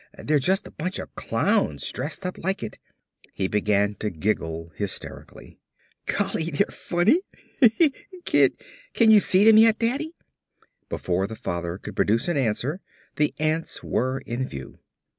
They're just a bunch of clowns dressed up like it." He began to giggle hysterically. "Golly, they're funny. Can you see them yet, Daddy?" Before the father could produce an answer the ants were in view.